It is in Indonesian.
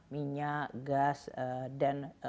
minyak gas dan